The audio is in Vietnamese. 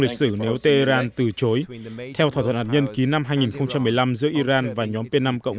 lịch sử nếu tehran từ chối theo thỏa thuận hạt nhân ký năm hai nghìn một mươi năm giữa iran và nhóm p năm